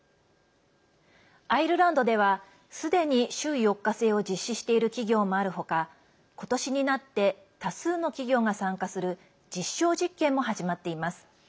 アイルランドではすでに週４日制を実施している企業もあるほかことしになって多数の企業が参加する実証実験も始まっています。